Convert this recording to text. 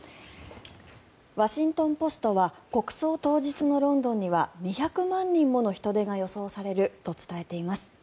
ワシントン・ポストは国葬当日のロンドンには２００万人もの人出が予想されると伝えています。